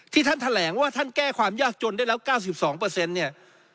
ท่านแถลงว่าท่านแก้ความยากจนได้แล้ว๙๒เนี่ย